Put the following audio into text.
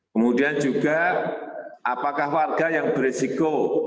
kemudian juga apakah warga yang beresiko